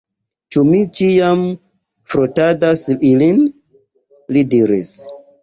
Ĉu mi ĉiam frotadas ilin? li diris.